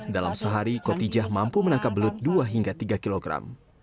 dalam sehari kotijah mampu menangkap belut dua hingga tiga kilogram